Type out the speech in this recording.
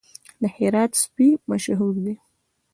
د هرات سپي مشهور دي